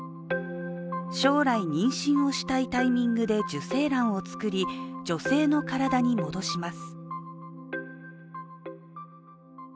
将来、妊娠したいタイミングで受精卵を作り、女性の体に戻します。